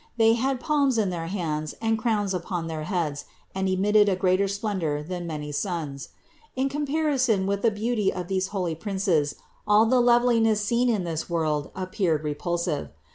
They had palms in their hands and crowns upon their heads and emitted a greater splendor than many suns. In comparison with the beauty of these holy princes all the loveliness seen in this world appeared repulsive.